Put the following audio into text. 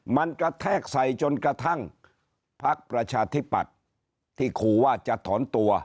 มันกระแทกใส่จนกระทั่งพักประชาธิปัตย์ที่ขู่ว่าจะถอนตัว